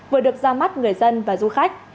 vừa được ra mắt người dân và du khách